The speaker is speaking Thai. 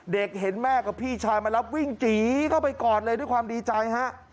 เห็นแม่กับพี่ชายมารับวิ่งจีเข้าไปก่อนเลยด้วยความดีใจฮะ